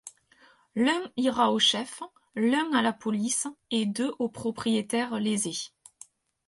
L'un ira au chef, l'un à la police et deux au propriétaire lésé.